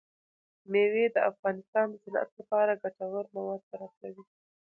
مېوې د افغانستان د صنعت لپاره ګټور مواد برابروي.